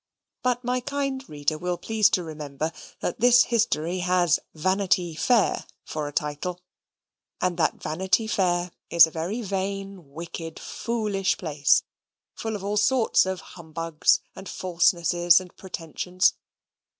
But my kind reader will please to remember that this history has "Vanity Fair" for a title, and that Vanity Fair is a very vain, wicked, foolish place, full of all sorts of humbugs and falsenesses and pretensions.